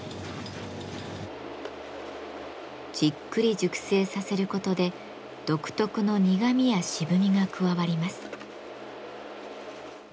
じっくり熟成させることで独特の苦みや渋みが加わります。